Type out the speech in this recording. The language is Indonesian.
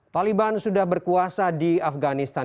taliban sudah berkuasa di afganistan